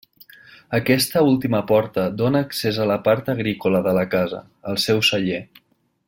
Aquesta última porta dóna accés a la part agrícola de la casa, al seu celler.